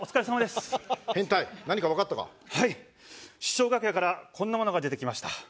師匠楽屋からこんなものが出てきました。